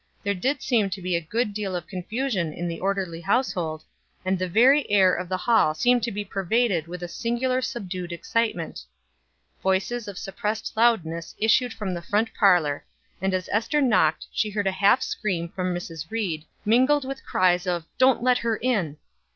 There did seem to be a good deal of confusion in the orderly household, and the very air of the hall seemed to be pervaded with a singular subdued excitement; voices of suppressed loudness issued from the front parlor and as Ester knocked she heard a half scream from Mrs. Ried, mingled with cries of "Don't let her in."